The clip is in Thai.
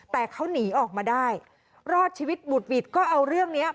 แต่เขาหนีออกมาได้รอดชีวิตบุดหวิดก็เอาเรื่องนี้